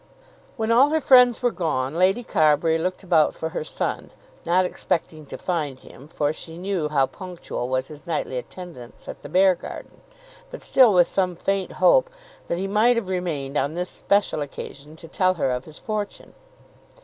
When all her friends were gone Lady Carbury looked about for her son, not expecting to find him, for she knew how punctual was his nightly attendance at the Beargarden, but still with some faint hope that he might have remained on this special occasion to tell her of his fortune.